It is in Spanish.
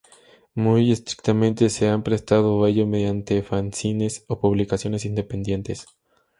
Muy estrictamente se han prestado a ello mediante fanzines o publicaciones independientes.